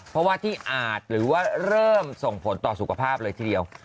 เพราะว่าที่อาจหรือว่าเริ่มส่งผลต่อสุขภาพเลยทีเดียว